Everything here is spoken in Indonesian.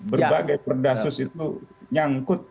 berbagai perdasus itu nyangkut